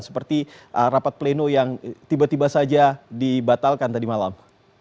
seperti rapat pleno yang tiba tiba saja dibatalkan oleh ketua umum